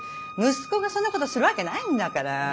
息子がそんなことするわけないんだから。